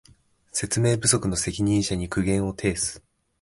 説明不足の責任者に苦言を呈す